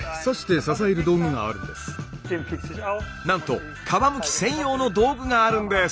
なんと皮むき専用の道具があるんです。